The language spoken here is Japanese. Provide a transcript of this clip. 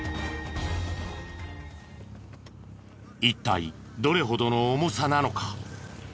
一体どれほどの重さなのか？